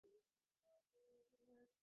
জগতে সাগরতরঙ্গ আছে।